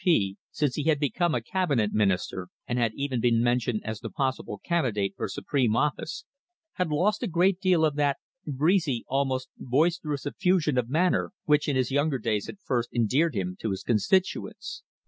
P., since he had become a Cabinet Minister and had even been mentioned as the possible candidate for supreme office, had lost a great deal of that breezy, almost boisterous effusion of manner which in his younger days had first endeared him to his constituents.